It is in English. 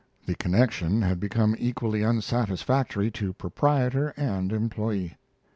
The connection had become equally unsatisfactory to proprietor and employee.